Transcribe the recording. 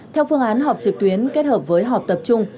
theo phương án họp trực tuyến kết hợp với họp tập trung